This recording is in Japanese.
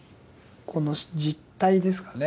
この集諦ですかね